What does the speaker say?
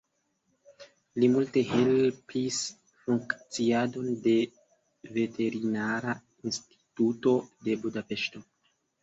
Li multe helpis funkciadon de Veterinara Instituto de Budapeŝto.